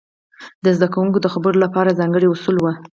د زده کوونکو د خبرو لپاره ځانګړي اصول وو.